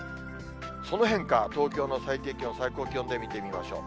その変化、東京の最低気温、最高気温で見てみましょう。